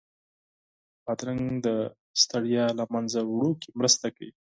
بادرنګ د ستړیا له منځه وړو کې مرسته کوي.